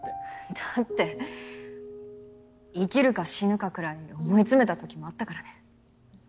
だって生きるか死ぬかくらい思い詰めたときもあったからね。